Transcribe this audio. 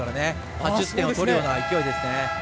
８０点を取るような勢いですね。